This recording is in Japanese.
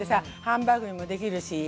ハンバーグにもできるし。